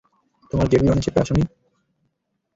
তোমার জেট-বিমানে চেপে আসোনি?